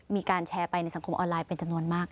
เพื่อให้มีการแชร์ไปในสังคมออนไลน์เป็นจำนวนมากค่ะ